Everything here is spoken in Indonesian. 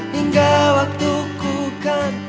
hingga waktuku kan tiba